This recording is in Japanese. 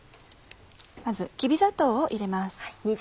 まずきび砂糖を入れます。